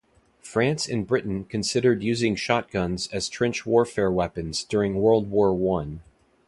France and Britain considered using shotguns as trench warfare weapons during World War One.